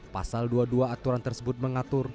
pasal dua puluh dua aturan tersebut mengatur